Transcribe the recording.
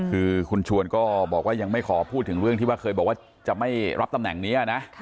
คือคุณชวนก็บอกว่ายังไม่ขอพูดถึงเรื่องที่ว่าเคยบอกว่าจะไม่รับตำแหน่งนี้นะ